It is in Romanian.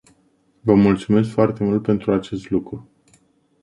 Vă mulțumesc foarte mult pentru acest lucru.